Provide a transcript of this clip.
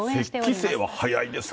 雪肌精は早いですね。